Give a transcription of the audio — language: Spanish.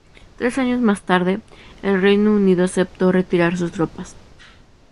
Tres años más tarde, el Reino Unido aceptó retirar sus tropas.